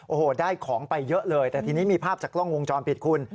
โอ้โหได้ของไปเยอะเลยแต่ทีนี้มีภาพจากกล้องวงจรปิดคุณ